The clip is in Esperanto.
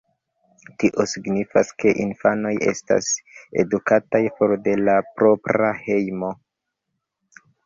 Tio signifas, ke infanoj estas edukataj for de la propra hejmo.